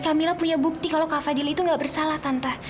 camilla punya bukti kalau kak fadil itu gak bersalah tante